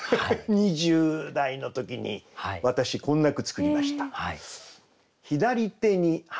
２０代の時に私こんな句作りました。